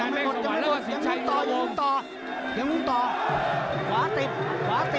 มองทำไม